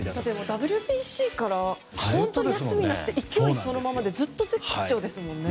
ＷＢＣからずっと休みなし勢いそのままでずっと絶好調ですね。